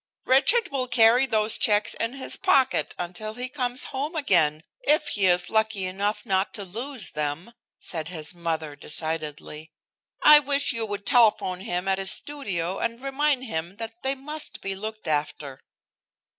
"Richard will carry those checks in his pocket until he comes home again, if he is lucky enough not to lose them," said his mother decidedly. "I wish you would telephone him at his studio and remind him that they must be looked after."